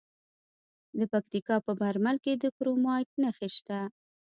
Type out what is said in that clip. د پکتیکا په برمل کې د کرومایټ نښې شته.